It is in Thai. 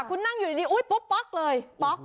คุณนั่งอยู่ดีป๊อกเลย